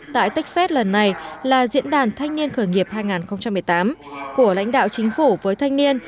tại techfest lần này là diễn đàn thanh niên khởi nghiệp hai nghìn một mươi tám của lãnh đạo chính phủ với thanh niên